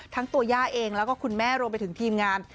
ตัวย่าเองแล้วก็คุณแม่รวมไปถึงทีมงาน